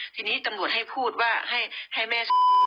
ทีนี้ตำหนวดให้พูดว่าให้แม่บอกว่าให้สงสัยลุงพลปุ๊บเนี่ย